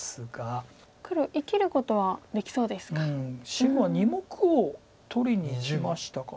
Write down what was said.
白は２目を取りにいきましたか。